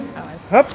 sampai lagi ya